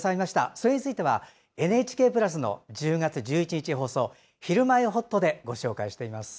それについては、ＮＨＫプラスの１０月１１日放送、ひるまえほっとでご紹介しています。